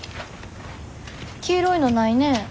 黄色いのないね。